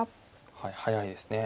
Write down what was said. はい速いですね。